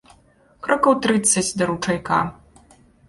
Крокаў трыццаць да ручайка.